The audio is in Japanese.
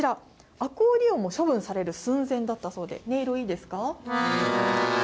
アコーディオンも処分される寸前だったそうで、音色、いいですか。